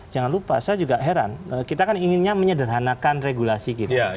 jangan lupa saya juga heran kita kan inginnya menyederhanakan regulasi kita